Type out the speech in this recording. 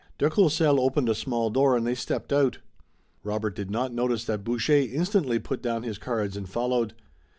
De Courcelles opened a small door and they stepped out. Robert did not notice that Boucher instantly put down his cards and followed.